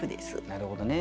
なるほどね